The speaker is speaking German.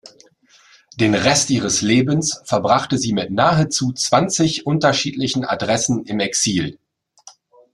Den Rest ihres Lebens verbrachte sie mit nahezu zwanzig unterschiedlichen Adressen im Exil.